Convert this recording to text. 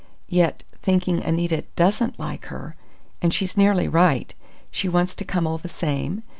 Yet, thinking Anita doesn't like her and she's nearly right she wants to come all the same.